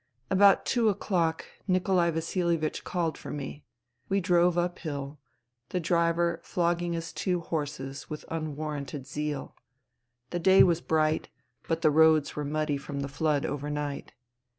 About two o'clock Nikolai Vasilievich called for me. We drove uphill, the driver flogging his two 124 FUTILITY horses with unwarranted zeal. The day was bright, but the roads were muddy from the flood overnight.